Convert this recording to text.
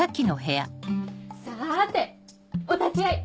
さて！お立ち会い！